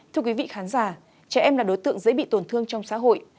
thưa quý vị khán giả trẻ em là đối tượng dễ bị tổn thương trong xã hội